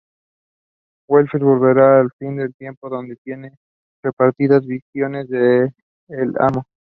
Wilfred volverá en "El fin del tiempo", donde tiene repetidas visiones de El Amo.